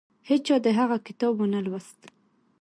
هیچا د هغه کتاب ونه لوست.